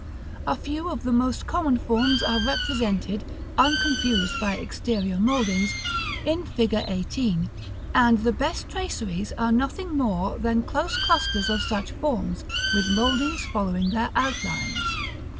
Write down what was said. A few of the most common forms are represented, unconfused by exterior mouldings, in Fig. XVIII., and the best traceries are nothing more than close clusters of such forms, with mouldings following their outlines.